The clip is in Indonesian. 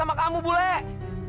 aku mau bersama kamu kulek